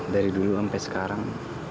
dari dulu sampai sekarang